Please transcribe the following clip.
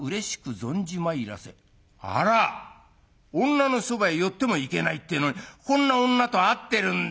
女のそばへ寄ってもいけないっていうのにこんな女と会ってるんだ。